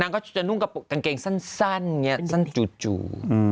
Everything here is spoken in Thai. ก็จะนุ่งกางเกงสั้นอย่างนี้สั้นจู่